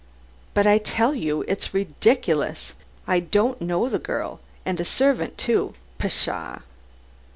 "But I tell you it's ridiculous. I don't know the girl and a servant, too. Pshaw!"